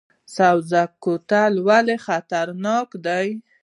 سبزک کوتل ولې خطرناک دی؟